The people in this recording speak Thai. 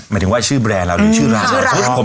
หมายถึงว่าชื่อแบรนด์หรือชื่อร้านหรือ